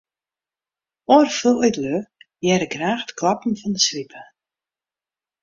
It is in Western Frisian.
Alde fuorlju hearre graach it klappen fan 'e swipe.